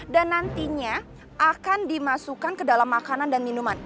dan nantinya akan dimasukkan ke dalam makanan dan minuman